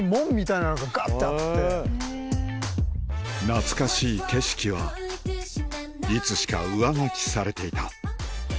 懐かしい景色はいつしか上書きされていた